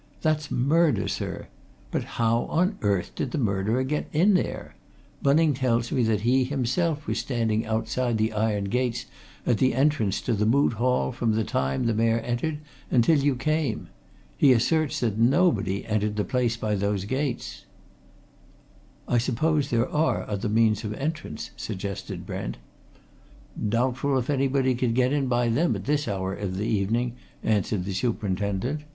"That's murder, sir! But how on earth did the murderer get in there? Bunning tells me that he himself was standing outside the iron gates at the entrance to the Moot Hall from the time the Mayor entered until you came. He asserts that nobody entered the place by those gates." "I suppose there are other means of entrance?" suggested Brent. "Doubtful if anybody could get in by them at this hour of the evening," answered the superintendent.